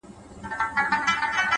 هوښیار فکر راتلونکی اټکلوي.!